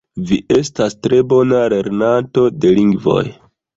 Vi estas tre bona lernanto de lingvoj